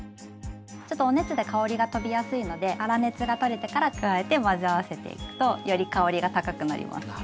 ちょっとお熱で香りがとびやすいので粗熱が取れてから加えて混ぜ合わせていくとより香りが高くなります。